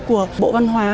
của bộ văn hóa